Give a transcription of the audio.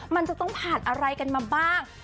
มันจะต้องผ่านอะไรกันมาบ้าง